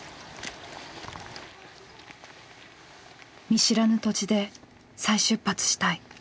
「見知らぬ土地で再出発したい」